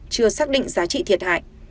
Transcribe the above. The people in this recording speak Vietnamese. chưa xác định giá trị thiệt hại